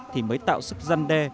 thì mới tạo sự gian đe